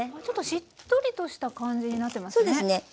ちょっとしっとりとした感じになってますね。